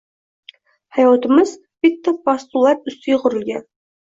Hayotimiz bitta postulat ustiga qurilgan.